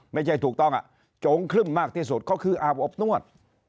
ไม่ใช่ถูกต้องโจงครึ่มมากที่สุดก็คืออาบอบนวด